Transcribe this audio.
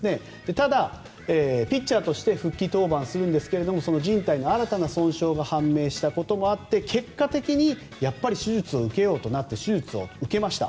ただ、ピッチャーとして復帰登板するんですがじん帯の新たな損傷が発見されたこともあって結果的にやっぱり手術を受けようとなって手術を受けました。